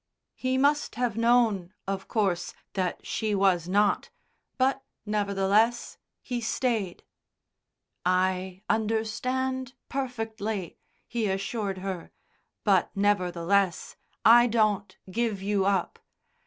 He must have known, of course, that she was not, but, nevertheless, He stayed. "I understand perfectly," He assured her. "But, nevertheless, I don't give you up.